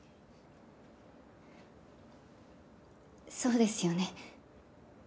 そうですよね。